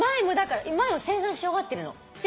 前も精算し終わってるの。